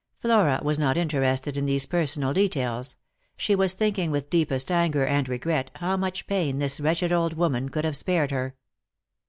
Flora was not interested in these personal details. She was thinking with deepest anger and regret how much pain this wretched old woman could have spared her.